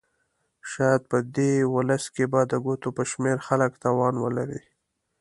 شاید په دې ولس کې به د ګوتو په شمېر خلک توان ولري.